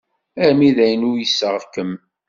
Armi d ayen uyseɣ-kem.